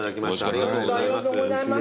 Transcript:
ありがとうございます。